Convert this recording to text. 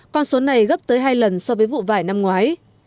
con số này gấp tới hai lần so với vụ vải năm ngoái